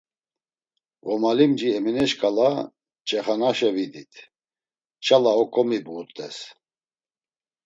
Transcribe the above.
Ğomalimci, Emine şǩala Çexanaşe vidit, nçala oǩomibğut̆es.